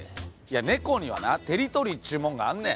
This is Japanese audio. ネコにはなテリトリーっちゅうもんがあんねん。